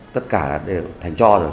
tất cả đều thành cho rồi